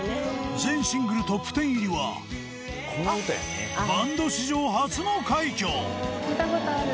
全シングルトップ１０入りはバンド史上初の快挙！